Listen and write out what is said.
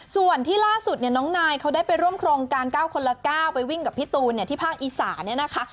ส่วนที่ล่าสุดเนี่ยน้องนายเขาได้ไปร่วมโครงการ๙คนละ๙ไปวิ่งกับพี่ตูนที่ภาคอีสาเนี่ยนะคะ